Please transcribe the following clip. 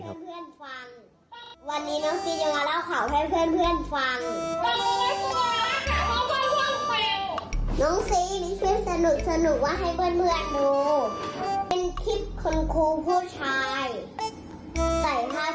วันนี้น้องซีจะมาเล่าข่าวให้เพื่อนเพื่อนฟัง